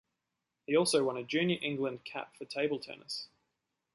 He also won a junior England cap for table tennis.